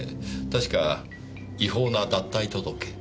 たしか違法な脱退届。